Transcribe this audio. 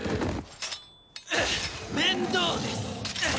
面倒です！